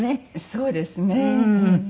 そうですね。